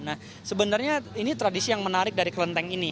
nah sebenarnya ini tradisi yang menarik dari kelenteng ini